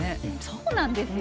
そうなんですよ。